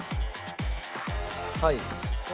はい。